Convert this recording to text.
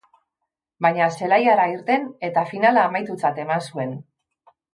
Baina zelaiara irten, eta finala amaitutzat eman zuen.